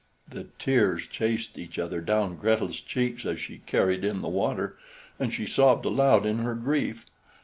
The tears chased each other down Gretel's cheeks as she carried in the water, and she sobbed aloud in her grief.